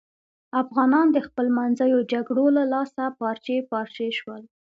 افغانان د خپلمنځیو جگړو له لاسه پارچې پارچې شول.